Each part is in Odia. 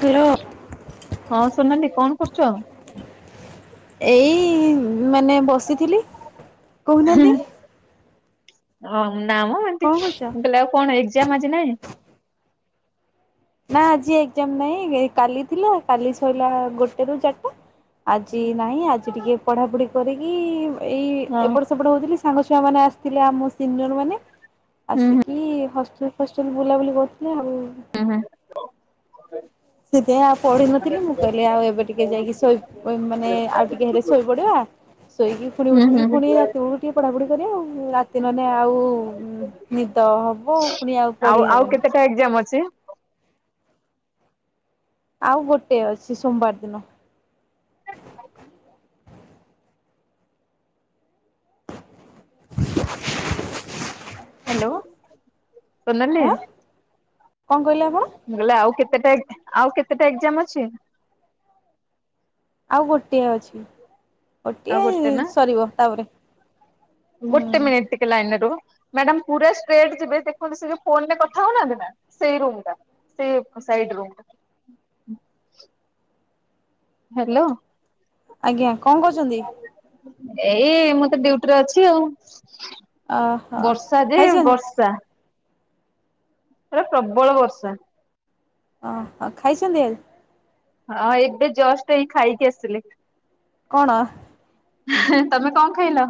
ହ୍ୟାଲୋ। ହଁ ସେମାନେ କଣ କରୁଛନ୍? ଏଇ-ଇ-ଇ ମାନେ ବସିଥିଲି, କହୁନାହାନ୍ତି। ହଁ ନା-ଆ-ମ ଏମିତି, କଣ କରୁଛ? ମୁଁ କହିଲ ଆଉ କଣ ଏକ୍ଜାମ୍ ଆଜି ନାଇଁ? ନା ଆଜି ଏକ୍ଜାମ୍ ନାଇଁ, କାଲି ଥିଲା କାଲି ସରିଲା ଗୋଟେ ରୁ ଚାରିଟା। ଆଜି ନାହିଁ ଆଜି ଟିକେ ପଢାପଢି କରିକି-ଇ-ଇ ଏଇ ହଁ। ଏପଟ ସେ ସେପଟ ହଉଥିଲି ସାଙ୍ଗ ଛୁଆମାନେ ଆସିଥିଲେ ଆମ ସିନିୟରମାନେ ହୁଁ ଆସିକି ହଷ୍ଟେଲ ହଷ୍ଟେଲ ବୁଲାବୁଲି କରୁଥିଲେ ଆଉ ହୁଁହୁଁ। ସେଥିପାଇଁ ଆଉ ପଢି‌ ନଥିଲି ମୁଁ କହି ହିଲି ଆଉ ଏବେ ଟିକେ ଯାଇକି ଶୋଇ ଉମ୍ ମାନେ ଆଉ ଟିକେ ହେଲେ ଶୋଇପଡିବା। ଶୋଇକି ପୁଣି ହୁଁ ହୁଁ ଉଠିକି ହୁଁ ପୁଣି ରାତିରୁ ଉଠିକି ପଢ଼ାପଢ଼ି କରିବା ଆଉ ରାତି ନହେଲେ ଆଉ ନିଦ ହବ ପୁଣି ଆଉ ପଢି ଆଉ ହବନି କେତେଟା ଏକ୍ଜାମ୍ ଅଛି? ଆଉ ଗୋଟେ ଅଛି ସୋମବାର ଦିନ। [unintelligible] ହ୍ୟାଲୋ, ସୋନାଲିି। ଆଁ କଣ କହିଲେ ଆପଣ? ମୁଁ କହିଲି ଆଉ କେତେଟା ଏକ୍ ଆଉ କେତେଟା ଏକ୍ଜାମ୍ ଅଛି? ଆଉ ଗୋଟିଏ ଅଛି, ଆଉ ଗୋଟିଏ-ଏ ଗୋଟେ ଏଇ ନା ସରିବ ତାପରେ। ହୁଁ ଗୋଟେ ମିନିଟ୍ ଟିକେ ଲାଇନ୍ ରେ ରୁହ। ମ୍ୟାଡାମ୍ ପୁରା ଷ୍ଟ୍ରେଟ୍ ଯିବେ ଦେଖନ୍ତୁ ସେ ଯୋଉ ଫୋନରେ କଥା ହଉନାହାନ୍ତି ନା ସେଇ ରୁମଟା। ସେ ସାଇଡ୍ ରୁମଟା। ହ୍ୟାଲୋ। ଆଜ୍ଞା କଣ କରୁଛନ୍ତି? ଏଇ ମୁଁ ତ ଡ୍ୟୁଟିରେ ଅଛି ଆଉ, ଅହ ବର୍ଷା ଯେ ଖାଇଛନ୍ତି ବର୍ଷା ପୁରା ପ୍ରବଳ ବର୍ଷା। ଓ ହୋ, ଆଉ ଖାଇଛନ୍ତି ଆ? [inaudible] ହଁ ଏବେେ ଜଷ୍ଟ ଏଇ ଖାଇକି ଆସିଲି। କଣ? ହେଁ ତମେ କଣ ଖାଇଲ?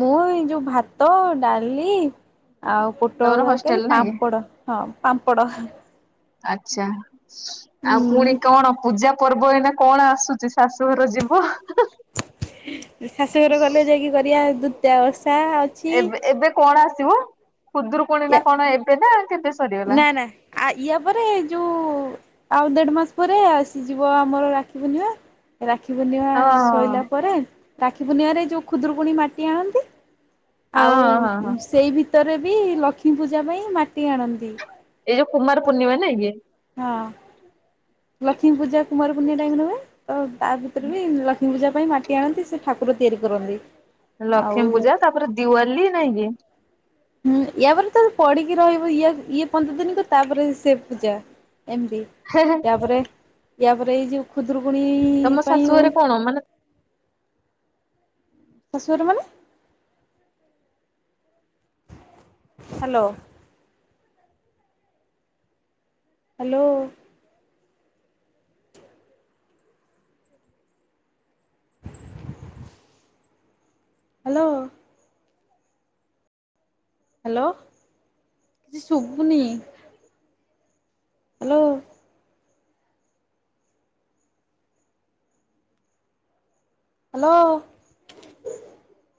ମୁଁ ଏଇ ଯୋଉ ଭାତ, ଡାଲି ଆଉ ପୋ ପୋଟଳ ତମର ତରକାରୀ ହଷ୍ଟେଲ ନାଇଁ କି? ପାମ୍ପଡ଼ ହଁ ପାମ୍ପଡ଼। ଆଚ୍ଛା, ଆଉ ପୁଣି ହୁଁ କଣ ପୂଜା ପର୍ବ ଏଇନା କଣ ଆସୁଛି ଶାଶୁଘର ଯିବ? ଶାଶୁଘର ଗଲେ ଯାଇକି କରିବା ଦୂତିଆ ଓଷା ଆଉ ଏବେ-ଏବେ କଣ ଆସିବ ଖୁଦୁରୁକୁଣୀ ନା କଣ ଏବେ ନା କେବେ? ସରିଗଲା? ନାଁ-ନାଁ ଆ ୟା ପରେ-ଏ-ଏ ଯୋଉ ଆଉ ଦେଢ ମାସ ପରେ ଆସିଯିବ ଆମର ରାକ୍ଷୀ ପୂର୍ଣ୍ଣିମା। ରାକ୍ଷୀ ପୂର୍ଣ୍ଣିମା-ଆ ହଁ ସଇଲା ପରେ ରାକ୍ଷୀ ପୂର୍ଣ୍ଣିିମାରେ ଯୋଉ ଖୁଦୁରୁକୁଣୀ ମାଟି ଆଣନ୍ତି? ହଁ ଆଉ ହଁ ହଁ ହଁ। ସେଇ ଭିତରେ ବି ଲକ୍ଷ୍ମୀ ପୂଜା ପାଇଁ ମାଟି ଆଣନ୍ତି। ଏଇ ଯୋଉ କୁମାର ପୂର୍ଣିମା ନାଇଁ କି? ହଁ। ଲକ୍ଷ୍ମୀ ପୂଜା କୁମାର ପୂର୍ଣ୍ଣିମା ଟାଇମରେ ହୁଏ। ତ ତା ଭିତରେ ବି ଲକ୍ଷ୍ମୀ ପୂଜା ପାଇଁ ମାଟି ଆଣନ୍ତି ସେ ଠାକୁର ତିଆରି କରନ୍ତି। ଆଉ ଲକ୍ଷ୍ମୀ ପୂଜା ତାପରେ ଦିୱାଲି ନାଇଁ କି? ହୁଁ। ୟା ପରେ ତ ପଢି଼କି ରହିବୁ ଇଏ ଇଏ ପନ୍ଦର ଦିନିତ ତାପରେ ସେ ପୂଜା। ଏମତି। ହେଁ ହେ। ତାପରେ ୟା ପରେ ଏଇ ଯୋଉ ଖୁଦରୁକୁଣୀ ତମ ପାଇଁ ହଉ। ଶାଶୁଘରେ କଣ ମାନେ? ଶାଶୁଘର ମାନେ? ହ୍ୟାଲୋ। ହ୍ୟାଲୋ। [inaudible] ହ୍ୟାଲୋ। ହ୍ୟାଲୋ। କିଛି ଶୁଭୁନି। ହ୍ୟାଲୋ। ହ୍ୟାଲୋ।